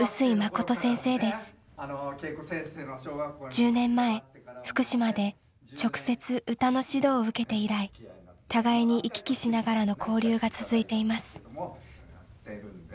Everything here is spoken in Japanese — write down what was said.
１０年前福島で直接歌の指導を受けて以来互いに行き来しながらの交流が続いています。